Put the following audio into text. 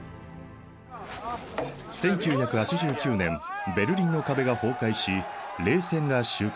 １９８９年ベルリンの壁が崩壊し冷戦が終結。